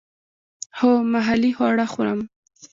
هو، محلی خواړه خورم